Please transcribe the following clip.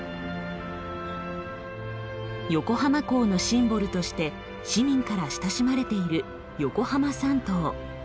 横浜港のシンボルとして市民から親しまれている横浜三塔。